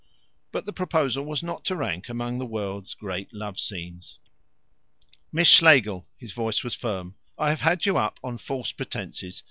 But the proposal was not to rank among the world's great love scenes. "Miss Schlegel" his voice was firm "I have had you up on false pretences.